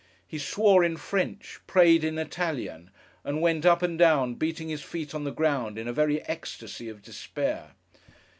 He swore in French, prayed in Italian, and went up and down, beating his feet on the ground in a very ecstasy of despair.